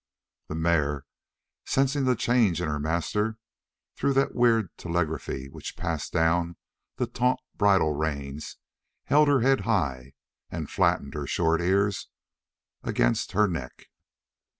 The mare, sensing the change of her master through that weird telegraphy which passed down the taut bridle reins, held her head high and flattened her short ears against her neck.